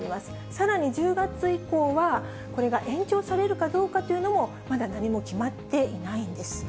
さらに１０月以降は、これが延長されるかどうかというのも、まだ何も決まっていないんです。